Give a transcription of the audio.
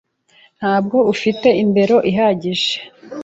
Ntabwo afite indero ihagije.